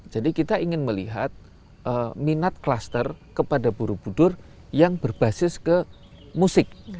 jadi kita ingin melihat minat cluster kepada borobudur yang berbasis ke musik